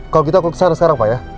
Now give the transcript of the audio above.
kalau gitu aku kesana sekarang pak ya